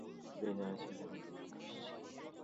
বিনয়কে ছেলেবেলা থেকে দেখে আসছি।